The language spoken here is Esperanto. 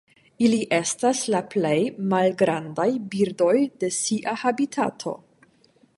Ili estas la plej malgrandaj birdoj de sia habitato.